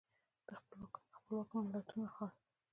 د خپلواکو او نا خپلواکو ملتونو حال.